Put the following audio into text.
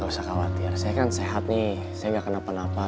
gak usah khawatir saya kan sehat nih saya nggak kenapa napa